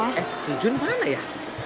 eh si jun mana ya